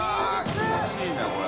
気持ちいいねこれ。